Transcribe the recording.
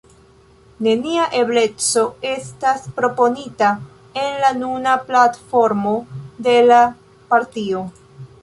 Nenia ebleco estas proponita en la nuna platformo de la partio.